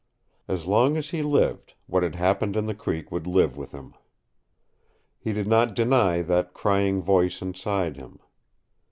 As long as he lived, what had happened in the creek would live with him. He did not deny that crying voice inside him.